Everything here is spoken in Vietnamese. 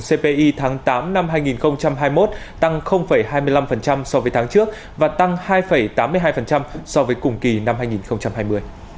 cpi tháng tám năm hai nghìn hai mươi một tăng hai mươi năm so với tháng trước và tăng hai tám mươi hai so với cùng kỳ năm hai nghìn hai mươi